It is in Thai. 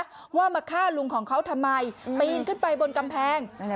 ว่ามาฆ่าลุงของเขาทำไมปีนขึ้นไปบนกำแพง